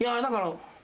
だから。